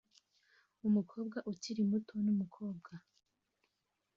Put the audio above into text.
Umukobwa ukiri muto numukobwa